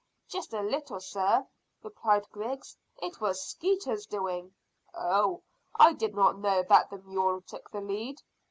"Just a little, sir," replied Griggs. "It was Skeeter's doing." "Oh, I did not know that the mule took the lead."